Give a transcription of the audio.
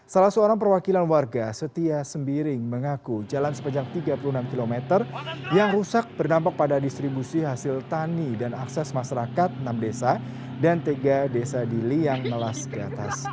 salah seorang perwakilan warga setia sembiring mengaku jalan sepanjang tiga puluh enam km yang rusak berdampak pada distribusi hasil tani dan akses masyarakat enam desa dan tiga desa di liang melas ke atas